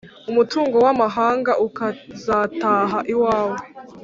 umutungo w’amahanga ukazataha iwawe.